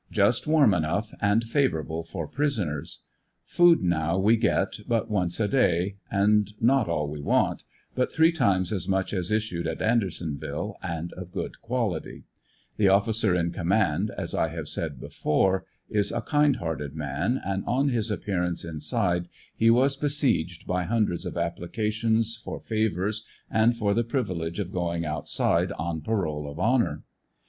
Just warm enough, and favorable for prisoners. Food now we get but once a day — not all we want, but three times as much as issued at Andersonville and of good quality The officer in command, as I have said before, is a kind hearted man, and on his appearance inside he was besieged by hundreds of applications for favors and for the priv ilege of going outside on parole of honor.